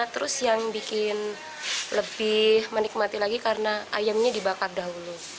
terus yang bikin lebih menikmati lagi karena ayamnya dibakar dahulu